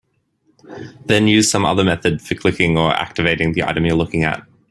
Then use some other method for clicking or "activating" the item you're looking at.